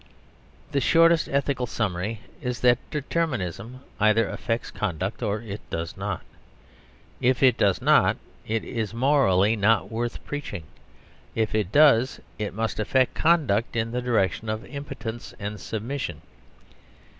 The shortest ethical summary is that Determinism either affects conduct or it does not. If it does not, it is morally not worth preaching; if it does, it must affect conduct in the direction of impotence and submission.